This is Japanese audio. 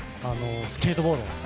スケートボード